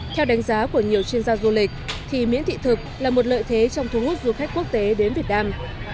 theo đánh giá của nhiều chuyên gia du lịch thì miễn thị thực là một lợi thế trong thu hút du khách quốc tế đến việt nam